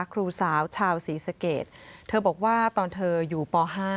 ครูสาวชาวศรีสเกตเธอบอกว่าตอนเธออยู่ป๕